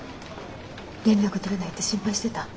連絡取れないって心配してた？